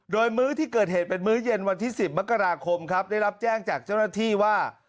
โดยมื้อที่เกิดเหตุเป็นมื้อเย็นวันที่๑๐มกราคมครับได้รับแจ้งจากเจ้าหน้าที่ว่า